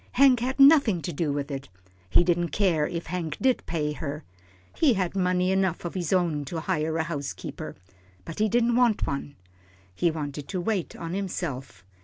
Hank had nothing to do with it. He didn't care if Hank did pay her. He had money enough of his own to hire a housekeeper. But he didn't want one. He wanted to wait on himself.